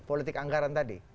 politik anggaran tadi